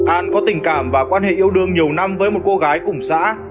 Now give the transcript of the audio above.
an có tình cảm và quan hệ yêu đương nhiều năm với một cô gái cùng xã